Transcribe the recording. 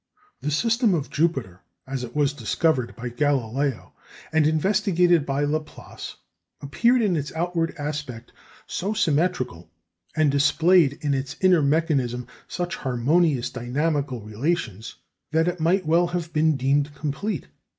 The system of Jupiter, as it was discovered by Galileo, and investigated by Laplace, appeared in its outward aspect so symmetrical, and displayed in its inner mechanism such harmonious dynamical relations, that it might well have been deemed complete.